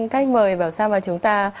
cách mời vào sao mà chúng ta